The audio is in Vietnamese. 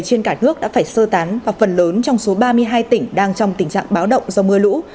trên cả nước đã phải sơ tán và phần lớn trong số ba mươi hai tỉnh đang trong tình trạng báo động do mưa lũ